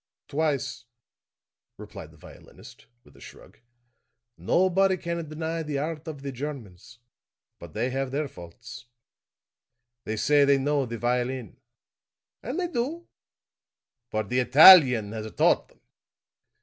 "Twice," replied the violinist, with a shrug. "Nobody can deny the art of the Germans. But they have their faults. They say they know the violin. And they do; but the Italian has taught them.